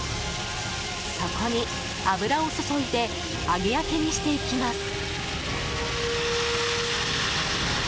そこに、油を注いで揚げ焼きにしていきます。